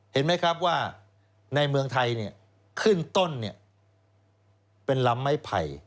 เห็นไหมครับว่าในเมืองไทยขึ้นต้นเป็นลำไม้ไผ่